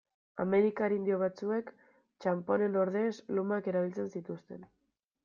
Amerikar indio batzuek txanponen ordez lumak erabiltzen zituzten.